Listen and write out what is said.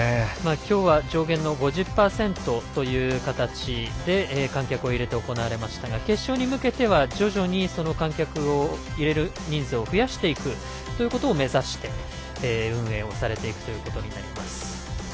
きょうは上限の５０％という形で観客を入れて行われましたが決勝に向けては徐々に観客を入れる人数を増やしていくということを目指して運営をされていくということになります。